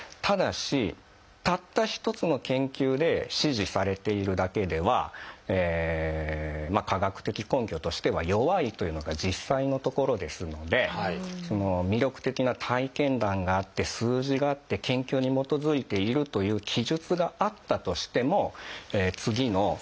ただしたった一つの研究で支持されているだけでは科学的根拠としては弱いというのが実際のところですので魅力的な体験談があって数字があって研究に基づいているという記述があったとしても次の。